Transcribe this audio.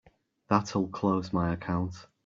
That'll close my account.